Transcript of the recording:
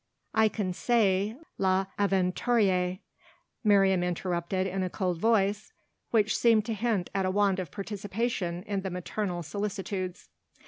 "I can say 'L'Aventurière,'" Miriam interrupted in a cold voice which seemed to hint at a want of participation in the maternal solicitudes.